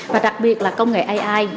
và đặc biệt là công nghệ ai